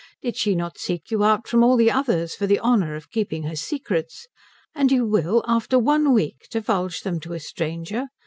Did she not seek you out from all the others for the honour of keeping her secrets? And you will, after one week, divulge them to a stranger?